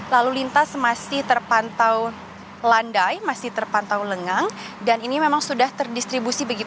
lalu lintas masih terpantau landai masih terpantau lengang dan ini memang sudah terdistribusi